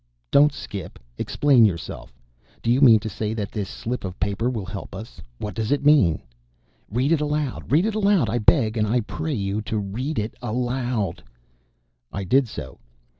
"Don't skip! Explain yourself. Do you mean to say that this slip of paper will help us? What does it mean?" "Read it aloud! Read it aloud! I beg and I pray you to read it aloud." I did so.